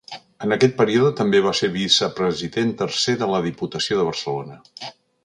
En aquest període també va ser vicepresident tercer de la Diputació de Barcelona.